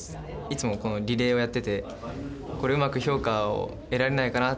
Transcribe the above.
いつもこのリレーをやっててこれうまく評価を得られないかなって思って。